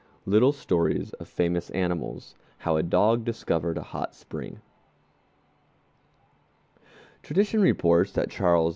Little Stories of Famous Animals How a Dog Discovered a Hot Spring Tradition reports that Charles IV.